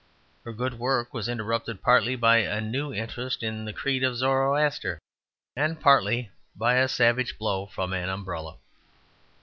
Her good work was interrupted, partly by a new interest in the creed of Zoroaster, and partly by a savage blow from an umbrella.